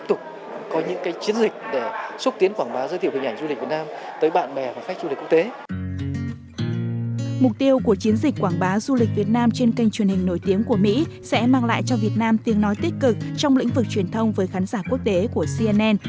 mục tiêu của chiến dịch quảng bá du lịch việt nam trên kênh truyền hình nổi tiếng của mỹ sẽ mang lại cho việt nam tiếng nói tích cực trong lĩnh vực truyền thông với khán giả quốc tế của cnn